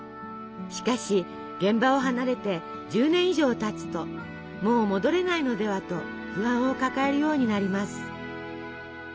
しかし現場を離れて１０年以上たつともう戻れないのではと不安を抱えるようになります。